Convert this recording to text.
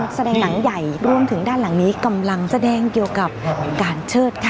แสดงหนังใหญ่รวมถึงด้านหลังนี้กำลังแสดงเกี่ยวกับการเชิดค่ะ